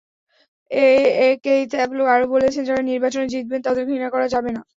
Keith এব্লো আরও বলেছেন, যাঁরা নির্বাচনে জিতবেন, তাঁদের ঘৃণা করা যাবে না।